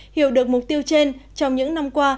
hiểu được mục tiêu trên trong những năm qua